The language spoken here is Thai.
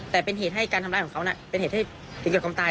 แต่เป็นเหตุให้การทำร้ายของเขาเป็นเหตุให้ถึงกับความตาย